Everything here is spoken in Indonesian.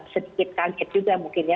sedikit kaget juga mungkin ya